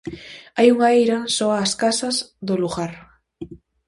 Hai unha eira so as casas do lugar.